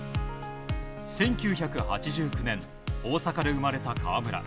１９８９年、大阪で生まれた川村。